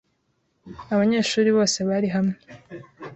abanyeshuri bose bari hamwe